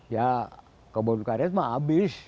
ya kebun karet mah habis